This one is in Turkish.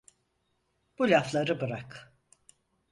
Bu lafları bırak…